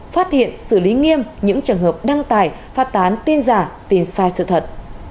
phát hiện xử lý nghiêm những trường hợp đăng tải phát tán tin giả tin sai sự thật